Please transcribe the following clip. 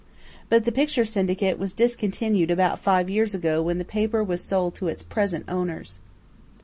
But the picture syndicate was discontinued about five years ago when the paper was sold to its present owners."